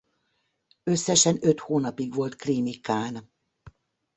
Összesen öt hónapig volt krími kán.